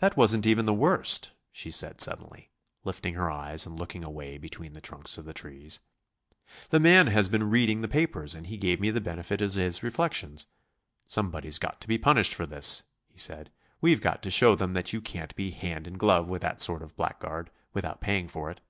"That wasn't even the worst," she said suddenly, lifting her eyes and looking away between the trunks of the trees. "The man has been reading the papers and he gave me the benefit of his reflections. 'Someone's got to be punished for this;' he said, 'we've got to show them that you can't be hand and glove with that sort of blackguard, without paying for it.